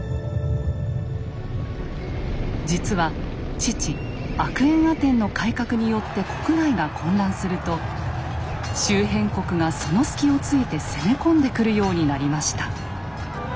実は父・アクエンアテンの改革によって国内が混乱すると周辺国がその隙をついて攻め込んでくるようになりました。